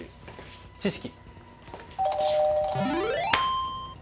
知識。